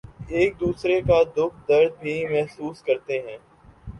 ایک دوسرے کا دکھ درد بھی محسوس کرتے ہیں